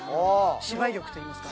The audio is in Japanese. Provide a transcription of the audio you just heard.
芝居力といいますか。